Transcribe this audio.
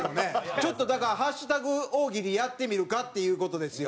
ちょっとだからハッシュタグ大喜利やってみるかっていう事ですよ。